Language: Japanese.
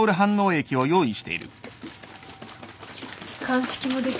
鑑識もできるの？